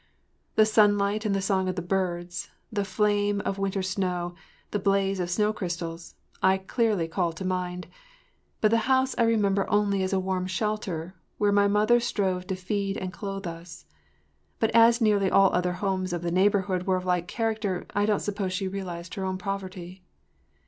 The sunlight and the songs of birds, the flame of winter snow, the blaze of snow crystals, I clearly call to mind, but the house I remember only as a warm shelter, where my mother strove to feed and clothe us. But as nearly all other homes of the neighborhood were of like character I don’t suppose she realized her own poverty.